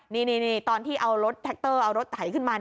นี่ตอนที่เอารถแท็กเตอร์เอารถไถขึ้นมา